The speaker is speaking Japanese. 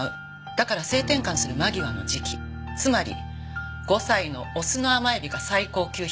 「だから性転換する間際の時期つまり５歳のオスの甘エビが最高級品なのよ」